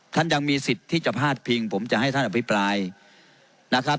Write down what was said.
ท่านยังมีสิทธิ์ที่จะพาดพิงผมจะให้ท่านอภิปรายนะครับ